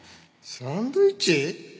サンドイッチ？